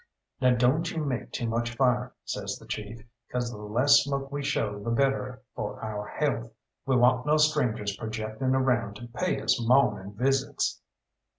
"Now don't you make too much fire," says the chief, "'cause the less smoke we show the better for our health. We want no strangers projecting around to pay us mawning visits."